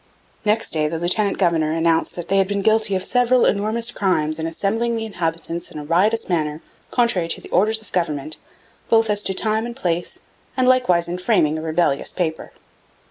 Next day the lieutenant governor announced that 'they had been guilty of several enormous crimes in assembling the inhabitants in a riotous manner contrary to the orders of government both as to time and place and likewise in framing a rebellious paper.'